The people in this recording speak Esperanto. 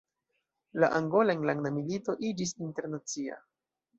La Angola Enlanda Milito iĝis internacia.